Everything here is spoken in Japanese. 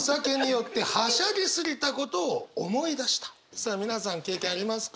さあ皆さん経験ありますか？